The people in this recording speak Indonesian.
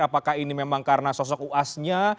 apakah ini memang karena sosok uasnya